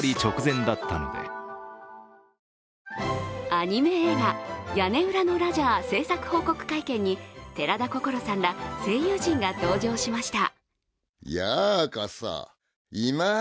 アニメ映画「屋根裏のラジャー」製作報告会見に寺田心さんら声優陣が登場しました。